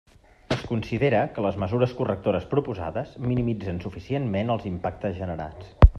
Es considera que les mesures correctores proposades minimitzen suficientment els impactes generats.